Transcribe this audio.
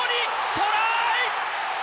トライ！